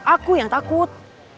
aku yang takut